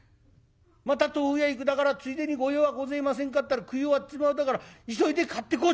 また豆腐屋行くだからついでに御用はごぜえませんかったら『食い終わっちまうだから急いで買ってこい』